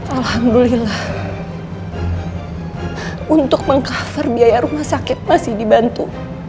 alhamdulillah untuk meng cover biaya rumah sakit masih dibantu